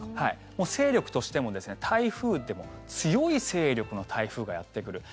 もう、勢力としても台風といっても強い勢力の台風がやってくる。